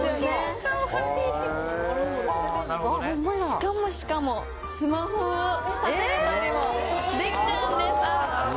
しかもしかもスマホを立てられたりもできちゃうんです。